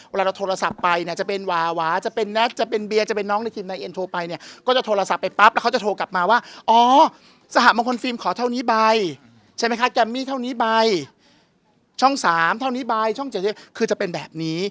เวลาเราโทรศัพท์ไปเนี่ยจะเป็นวาวาจะเป็นแน็ตจะเป็นเบียร์จะเป็นน้องในทีมนายเอ็นโทรไปเนี่ยก็จะโทรศัพท์ไปปั๊บแล้วเขาจะโทรกลับมาว่าอ๋อสหมงคลฟิล์มขอเท่านี้ใบใช่ไหมคะแกมมี่เท่านี้ใบช่อง๓เท่านี้ใบช่อง๗คือจะเป็นแบบนี้